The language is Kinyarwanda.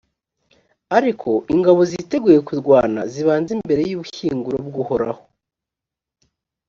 ariko ingabo ziteguye kurwana zibanze imbere y’ubushyinguro bw’uhoraho.